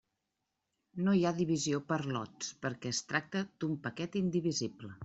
No hi ha divisió per lots perquè es tracta d'un paquet indivisible.